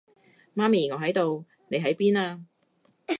媽咪，我喺度，你喺邊啊？